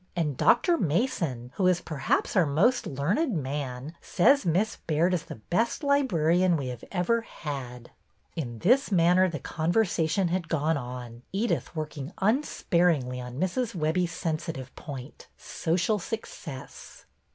" And Dr. Mason, who is, perhaps, our most learned man, says Miss Baird is the best librarian we have ever had." 228 BETTY BAIRD'S VENTURES In this manner the conversation had gone on, Edyth working unsparingly on Mrs. Webbie's sensitive point, social success.